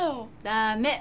ダメ！